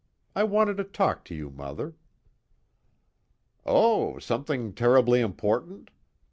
I wanted to talk to you, Mother." "Oh, something terribly important?